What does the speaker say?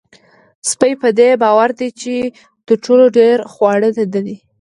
سپی په دې باور دی چې تر ټولو ډېر خواړه د ده دي.